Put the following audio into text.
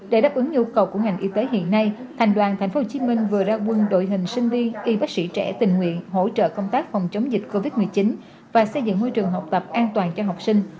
để đáp ứng nhu cầu của ngành y tế hiện nay thành đoàn tp hcm vừa ra quân đội hình sinh viên y bác sĩ trẻ tình nguyện hỗ trợ công tác phòng chống dịch covid một mươi chín và xây dựng môi trường học tập an toàn cho học sinh